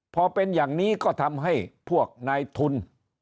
พอเป็นอย่างนี้ก็ทำให้พวกนายทุน